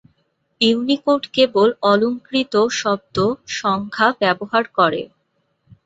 Unicode কেবল অলংকৃত শব্দ "সংখ্যা" ব্যবহার করে।